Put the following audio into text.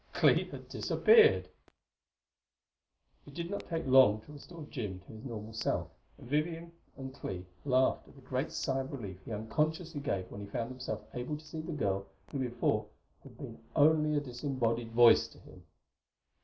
Clee had disappeared! It did not take long to restore Jim to his normal self, and Vivian and Clee laughed at the great sigh of relief he unconsciously gave when he found himself able to see the girl who before had been only a disembodied Voice to him.